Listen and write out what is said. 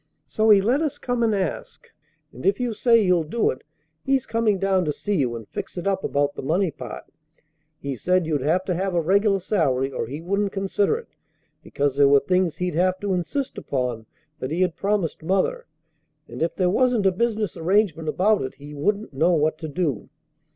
So he let us come and ask; and, if you say you'll do it, he's coming down to see you and fix it up about the money part. He said you'd have to have a regular salary or he wouldn't consider it, because there were things he'd have to insist upon that he had promised mother; and, if there wasn't a business arrangement about it, he wouldn't know what to do.